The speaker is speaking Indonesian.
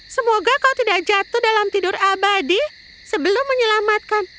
semoga kau tidak jatuh dalam tidur abadi sebelum menyelamatkan